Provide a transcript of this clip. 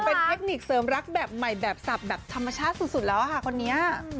เป็นเทคนิคเสริมรักแบบใหม่แบบสับแบบธรรมชาติสุดแล้วค่ะคนนี้